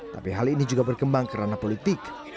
tapi hal ini juga berkembang kerana politik